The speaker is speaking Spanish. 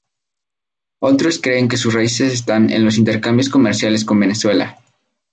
Otros creen que sus raíces están en los intercambios comerciales con Venezuela.